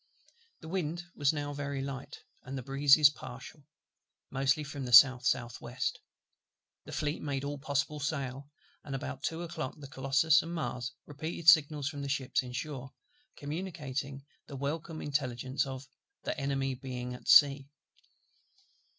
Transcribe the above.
The wind was now very light; and the breezes partial, mostly from the south south west. The Fleet made all possible sail; and about two o'clock the Colossus and Mars repeated signals from the ships in shore, communicating the welcome intelligence of "the Enemy being at sea."